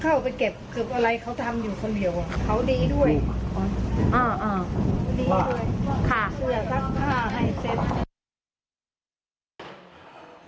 เข้าไปเก็บเกือบอะไรเขาทำอยู่คนเดียวเขาดีด้วยดีด้วยขาเสื้อทั้ง๕เสร็จ